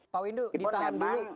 pak windu ditahan dulu